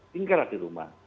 tinggallah di rumah